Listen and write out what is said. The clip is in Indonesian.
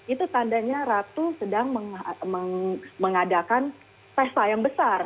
itu tandanya ratu sedang mengadakan pesta yang besar